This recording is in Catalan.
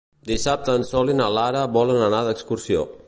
Dissabte en Sol i na Lara volen anar d'excursió.